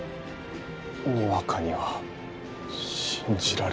にわかには信じられぬ。